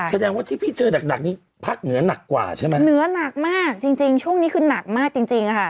แสดงว่าที่พี่เจอหนักนี้ภาคเหนือหนักกว่าใช่ไหมเหนือหนักมากจริงจริงช่วงนี้คือหนักมากจริงจริงอ่ะค่ะ